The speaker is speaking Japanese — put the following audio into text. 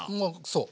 そう。